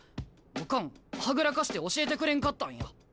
オカンはぐらかして教えてくれんかったんや。